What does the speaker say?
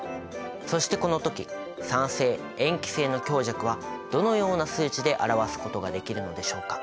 そしてこの時酸性塩基性の強弱はどのような数値で表すことができるのでしょうか。